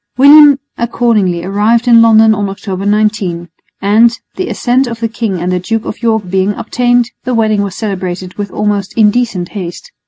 William accordingly arrived in London on October 19; and, the assent of the king and the Duke of York being obtained, the wedding was celebrated with almost indecent haste.